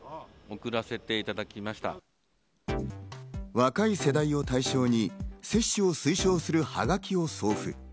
若い世代を対象に、接種を推奨するはがきを送付。